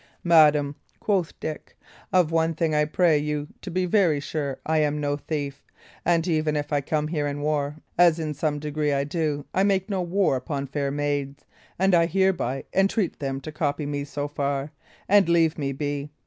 "Madam," quoth Dick, "of one thing I pray you to be very sure: I am no thief. And even if I come here in war, as in some degree I do, I make no war upon fair maids, and I hereby entreat them to copy me so far, and to leave me be.